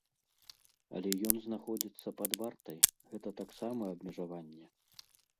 Але ён знаходзіцца пад вартай, гэта таксама абмежаванне.